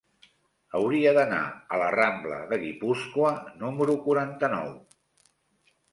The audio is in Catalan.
Hauria d'anar a la rambla de Guipúscoa número quaranta-nou.